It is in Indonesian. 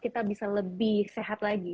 kita bisa lebih sehat lagi